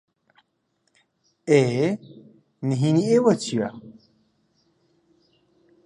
ئێ، نھێنیی ئێوە چییە؟